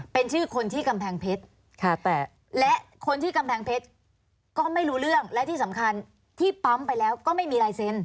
เป็นชื่อคนที่กำแพงเพชรและคนที่กำแพงเพชรก็ไม่รู้เรื่องและที่สำคัญที่ปั๊มไปแล้วก็ไม่มีลายเซ็น